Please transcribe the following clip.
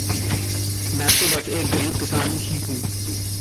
मैं तो बस एक गरीब किसान ही हूँ।